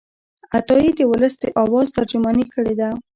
عطايي د ولس د آواز ترجماني کړې ده.